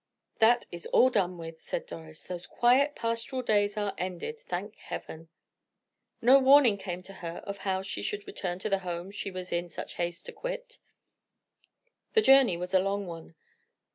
"That is all done with," said Doris. "Those quiet pastoral days are ended, thank Heaven!" No warning came to her of how she should return to the home she was in such haste to quit. The journey was a long one.